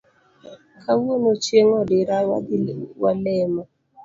Kawuono chieng odira wadhi walemo